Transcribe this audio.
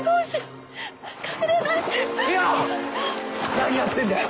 何やってんだよ！